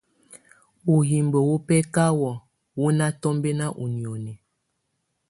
Uhimbǝ́ wɔ́ bɛ́káhɔ wɔ́ ná tɔmbɛ́na ú nìóni.